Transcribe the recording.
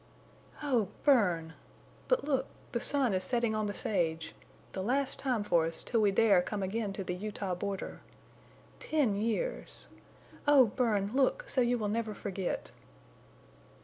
"Oh, Bern!... But look! The sun is setting on the sage—the last time for us till we dare come again to the Utah border. Ten years! Oh, Bern, look, so you will never forget!"